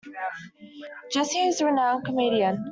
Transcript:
Jessie is a renowned comedian.